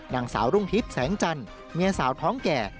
นางสาวรุ่งฮิตแสงจันทร์เมียสาวท้องแก่